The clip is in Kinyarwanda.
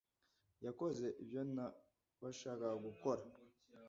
yakoze ibyo naweshakaga ko akora.